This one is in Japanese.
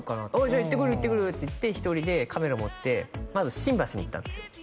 「じゃあ行ってくる行ってくる」っていって１人でカメラ持ってまず新橋に行ったんですよ